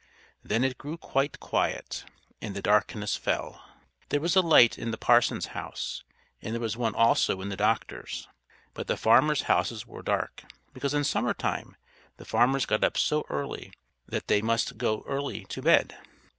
Then it grew quite quiet, and the darkness fell. There was a light in the parson's house, and there was one also in the doctor's. But the farmers' houses were dark, because in summer time the farmers get up so early that they must go early to bed.